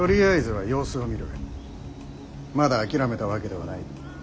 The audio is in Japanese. まだ諦めたわけではない。